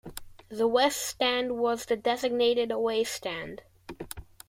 The West Stand was the designated away stand.